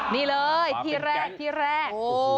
นี่เลยที่แรกที่แรก